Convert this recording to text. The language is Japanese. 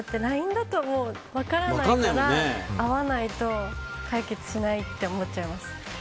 ＬＩＮＥだと分からないから会わないと解決しないと思っちゃいます。